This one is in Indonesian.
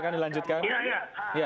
makanya ini harus dilihat dulu konteksnya